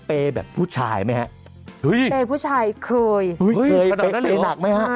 ถึงแค่คนเดียวก็เหนื่อยเลยนะครับ